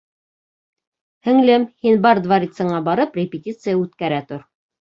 Һеңлем, һин бар дворецыңа барып репетиция үткәрә тор.